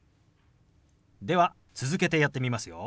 では続けてやってみますよ。